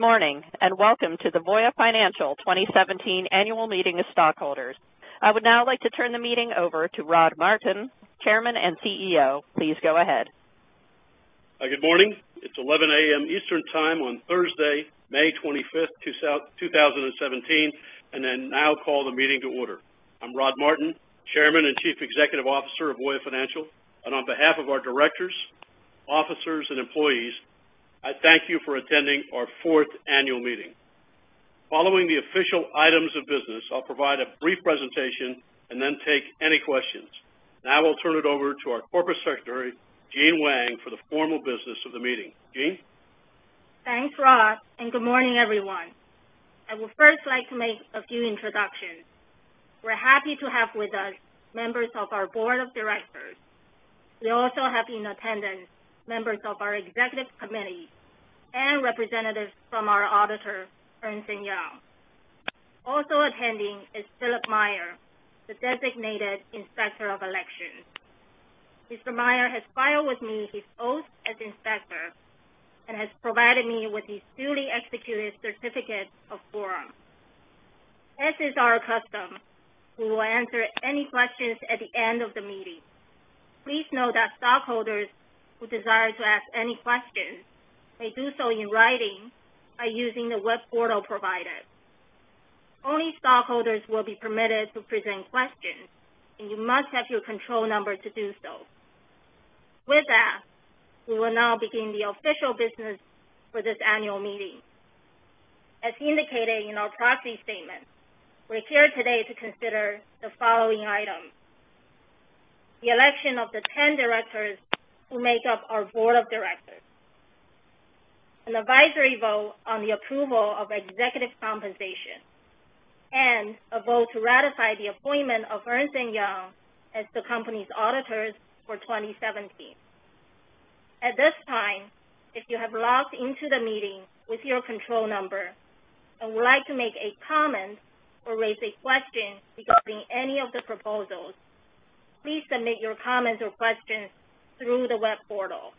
Good morning, and welcome to the Voya Financial 2017 Annual Meeting of Stockholders. I would now like to turn the meeting over to Rod Martin, Chairman and CEO. Please go ahead. Good morning. It's 11:00 A.M. Eastern Time on Thursday, May 25th, 2017. I now call the meeting to order. I'm Rod Martin, Chairman and Chief Executive Officer of Voya Financial. On behalf of our directors, officers, and employees, I thank you for attending our fourth annual meeting. Following the official items of business, I'll provide a brief presentation and then take any questions. Now I will turn it over to our Corporate Secretary, Eileen A. McCarthy, for the formal business of the meeting. Eileen? Thanks, Rod, and good morning, everyone. I would first like to make a few introductions. We're happy to have with us members of our board of directors. We also have in attendance members of our executive committee and representatives from our auditor, Ernst & Young. Also attending is Philip Meyer, the designated Inspector of Elections. Mr. Meyer has filed with me his oath as inspector and has provided me with his duly executed certificate of quorum. As is our custom, we will answer any questions at the end of the meeting. Please know that stockholders who desire to ask any questions may do so in writing by using the web portal provided. Only stockholders will be permitted to present questions. You must have your control number to do so. With that, we will now begin the official business for this annual meeting. As indicated in our proxy statement, we're here today to consider the following items: the election of the 10 directors who make up our board of directors, an advisory vote on the approval of executive compensation, and a vote to ratify the appointment of Ernst & Young as the company's auditors for 2017. At this time, if you have logged into the meeting with your control number and would like to make a comment or raise a question regarding any of the proposals, please submit your comments or questions through the web portal.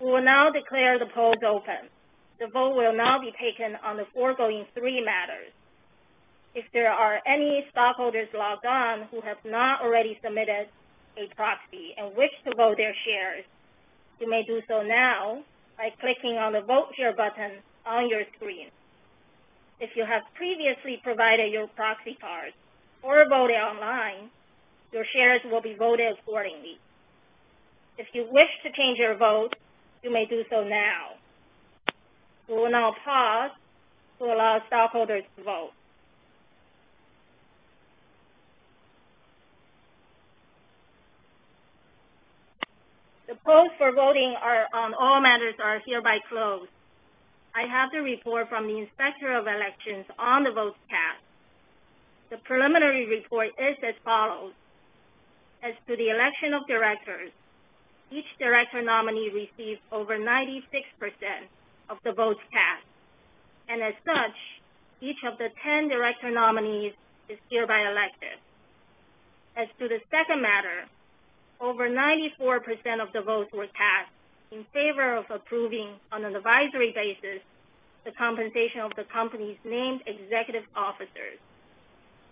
We will now declare the polls open. The vote will now be taken on the foregoing three matters. If there are any stockholders logged on who have not already submitted a proxy and wish to vote their shares, you may do so now by clicking on the Vote Here button on your screen. If you have previously provided your proxy card or voted online, your shares will be voted accordingly. If you wish to change your vote, you may do so now. We will now pause to allow stockholders to vote. The polls for voting on all matters are hereby closed. I have the report from the Inspector of Elections on the votes cast. The preliminary report is as follows. As to the election of directors, each director nominee received over 96% of the votes cast, and as such, each of the 10 director nominees is hereby elected. As to the second matter, over 94% of the votes were cast in favor of approving, on an advisory basis, the compensation of the company's named executive officers.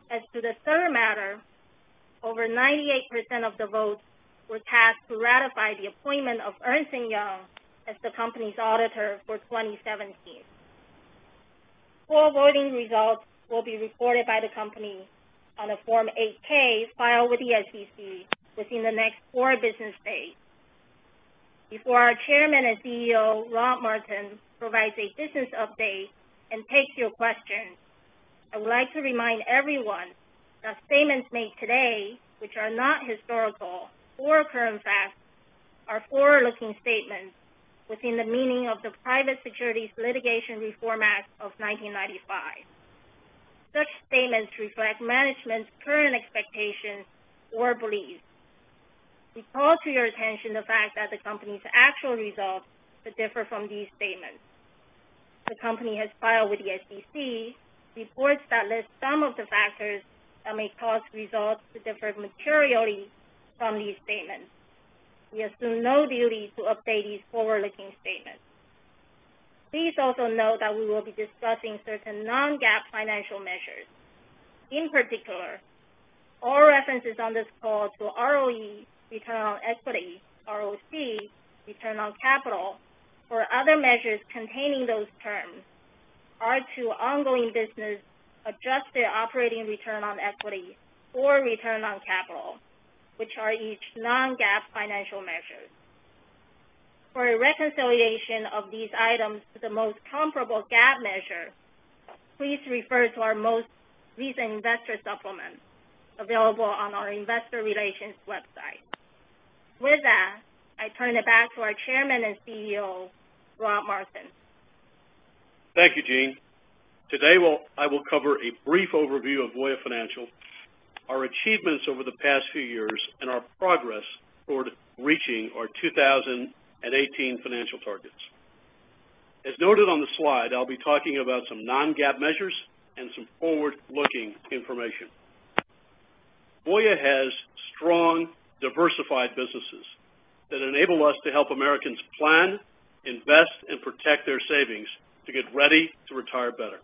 As to the third matter, over 98% of the votes were cast to ratify the appointment of Ernst & Young as the company's auditor for 2017. Full voting results will be reported by the company on a Form 8-K filed with the SEC within the next four business days. Before our Chairman and CEO, Rod Martin, provides a business update and takes your questions, I would like to remind everyone that statements made today which are not historical or current facts are forward-looking statements within the meaning of the Private Securities Litigation Reform Act of 1995. Such statements reflect management's current expectations or beliefs. We call to your attention the fact that the company's actual results could differ from these statements. The company has filed with the SEC reports that list some of the factors that may cause results to differ materially from these statements. We assume no duty to update these forward-looking statements. Please also note that we will be discussing certain non-GAAP financial measures. In particular, all references on this call to ROE, return on equity, ROC, return on capital, or other measures containing those terms are to ongoing business adjusted operating return on equity or return on capital, which are each non-GAAP financial measures. For a reconciliation of these items to the most comparable GAAP measure, please refer to our most recent investor supplement available on our investor relations website. With that, I turn it back to our Chairman and CEO, Rod Martin. Thank you, Eileen. Today, I will cover a brief overview of Voya Financial, our achievements over the past few years, and our progress toward reaching our 2018 financial targets. As noted on the slide, I'll be talking about some non-GAAP measures and some forward-looking information. Voya has strong, diversified businesses that enable us to help Americans plan, invest, and protect their savings to get ready to retire better.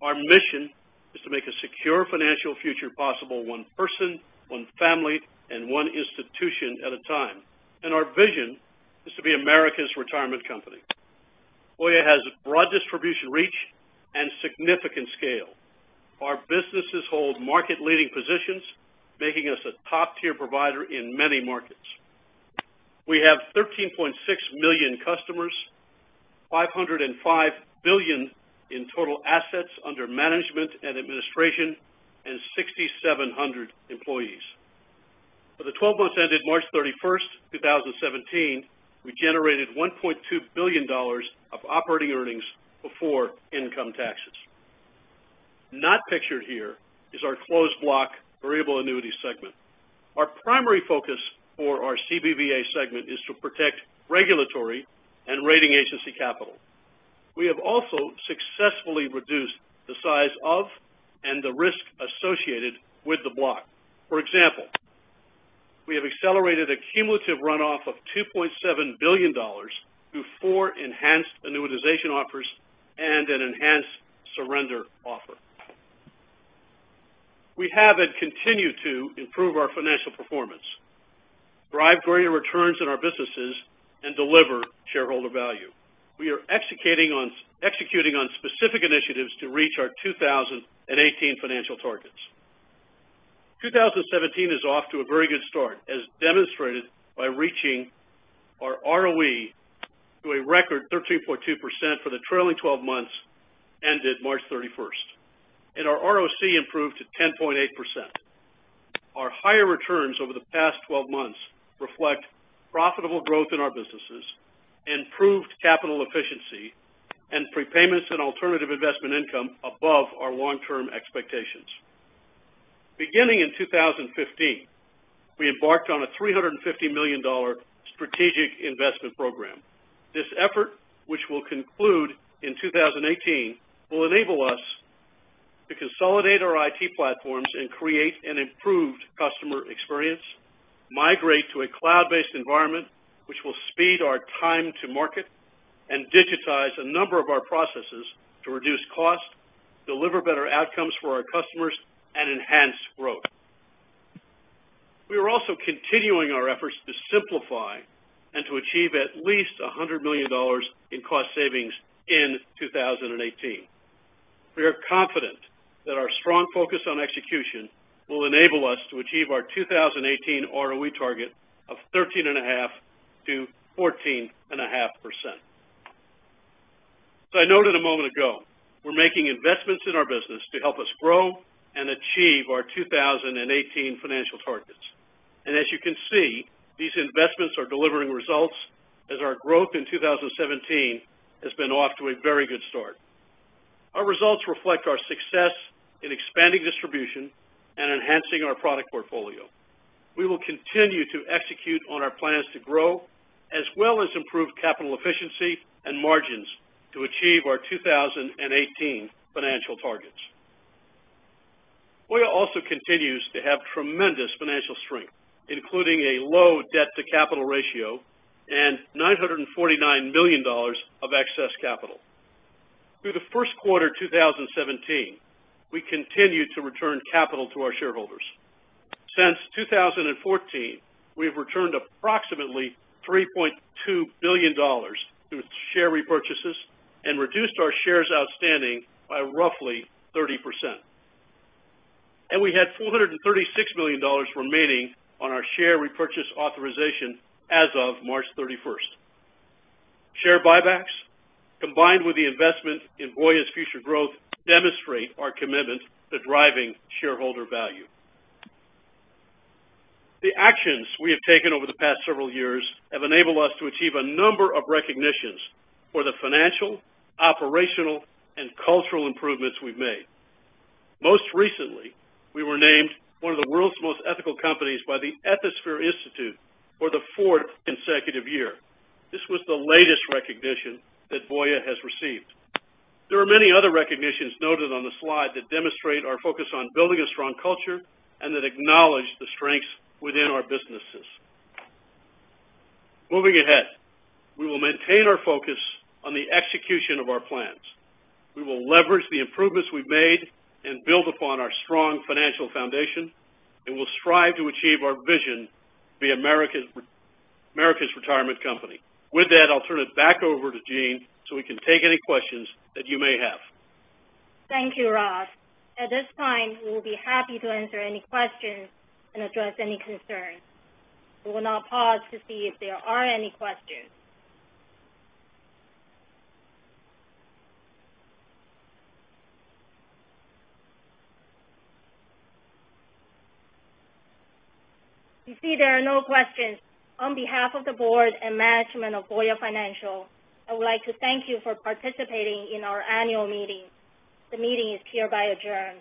Our mission is to make a secure financial future possible, one person, one family, and one institution at a time. Our vision is to be America's retirement company. Voya has a broad distribution reach and significant scale. Our businesses hold market-leading positions, making us a top-tier provider in many markets. We have 13.6 million customers, $505 billion in total assets under management and administration, and 6,700 employees. For the 12 months ended March 31st, 2017, we generated $1.2 billion of operating earnings before income taxes. Not pictured here is our closed block variable annuity segment. Our primary focus for our CBVA segment is to protect regulatory and rating agency capital. We have also successfully reduced the size of and the risk associated with the block. For example, we have accelerated a cumulative runoff of $2.7 billion through four enhanced annuitization offers and an enhanced surrender offer. We have, and continue to, improve our financial performance, drive greater returns in our businesses, and deliver shareholder value. We are executing on specific initiatives to reach our 2018 financial targets. 2017 is off to a very good start, as demonstrated by reaching our ROE to a record 13.2% for the trailing 12 months ended March 31st, and our ROC improved to 10.8%. Our higher returns over the past 12 months reflect profitable growth in our businesses, improved capital efficiency, and prepayments in alternative investment income above our long-term expectations. Beginning in 2015, we embarked on a $350 million strategic investment program. This effort, which will conclude in 2018, will enable us to consolidate our IT platforms and create an improved customer experience, migrate to a cloud-based environment, which will speed our time to market, and digitize a number of our processes to reduce cost, deliver better outcomes for our customers, and enhance growth. We are also continuing our efforts to simplify and to achieve at least $100 million in cost savings in 2018. We are confident that our strong focus on execution will enable us to achieve our 2018 ROE target of 13.5%-14.5%. As I noted a moment ago, we're making investments in our business to help us grow and achieve our 2018 financial targets. As you can see, these investments are delivering results as our growth in 2017 has been off to a very good start. Our results reflect our success in expanding distribution and enhancing our product portfolio. We will continue to execute on our plans to grow, as well as improve capital efficiency and margins to achieve our 2018 financial targets. Voya also continues to have tremendous financial strength, including a low debt-to-capital ratio and $949 million of excess capital. Through the first quarter 2017, we continued to return capital to our shareholders. Since 2014, we have returned approximately $3.2 billion through share repurchases and reduced our shares outstanding by roughly 30%. We had $436 million remaining on our share repurchase authorization as of March 31st. Share buybacks, combined with the investment in Voya's future growth, demonstrate our commitment to driving shareholder value. The actions we have taken over the past several years have enabled us to achieve a number of recognitions for the financial, operational, and cultural improvements we've made. Most recently, we were named one of the world's most ethical companies by the Ethisphere Institute for the fourth consecutive year. This was the latest recognition that Voya has received. There are many other recognitions noted on the slide that demonstrate our focus on building a strong culture and that acknowledge the strengths within our businesses. Moving ahead, we will maintain our focus on the execution of our plans. We will leverage the improvements we've made and build upon our strong financial foundation, and we'll strive to achieve our vision to be America's retirement company. With that, I'll turn it back over to Eileen so we can take any questions that you may have. Thank you, Rod Martin. At this time, we will be happy to answer any questions and address any concerns. We will now pause to see if there are any questions. We see there are no questions. On behalf of the board and management of Voya Financial, I would like to thank you for participating in our annual meeting. The meeting is hereby adjourned.